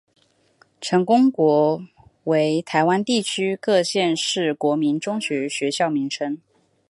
成功国中为台湾地区各县市国民中学学校名称。